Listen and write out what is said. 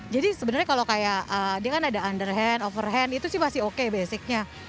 jadi sebenarnya kalau kayak dia kan ada underhand overhand itu sih masih oke basicnya